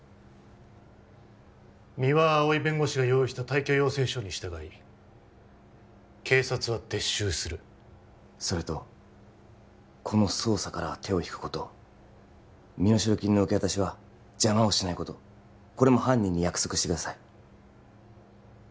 三輪碧弁護士が用意した退去要請書に従い警察は撤収するそれとこの捜査からは手を引くこと身代金の受け渡しは邪魔をしないことこれも犯人に約束してください